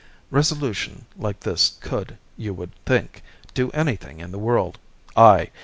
Resolution like this could, you would think, do anything in the world. Ay!